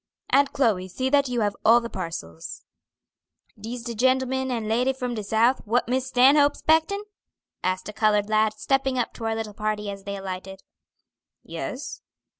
"Aunt Chloe, see that you have all the parcels." "Dis de gentleman and lady from de South, what Miss Stanhope's 'spectin'?" asked a colored lad, stepping up to our little party as they alighted. "Yes."